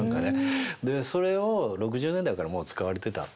でそれを６０年代からもう使われてた。